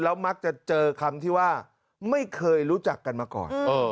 มักจะเจอคำที่ว่าไม่เคยรู้จักกันมาก่อน